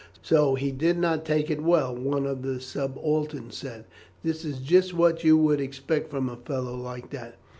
"So he did not take it well," one of the subalterns said. "That is just what you would expect from a fellow like that."